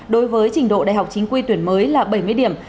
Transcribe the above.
đối với trình độ đại học chính quy tuyển mới là bảy mươi điểm